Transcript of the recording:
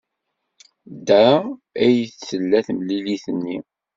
Da ay d-tella temlilit-nni.